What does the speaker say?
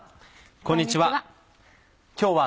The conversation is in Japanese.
こんにちは。